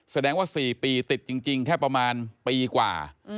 แสดงว่า๔ปีติดจริงแค่ประมาณปีกว่า